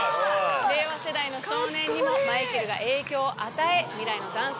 令和世代の少年にもマイケルが影響を与え。